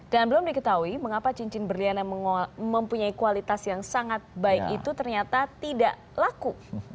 dan belum diketahui mengapa cincin berlian yang mempunyai kualitas yang sangat baik itu ternyata tidak laku